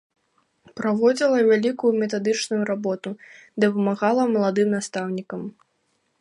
Праводзіла вялікую метадычную работу, дапамагала маладым настаўнікам.